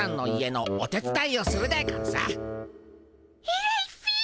えらいっピ。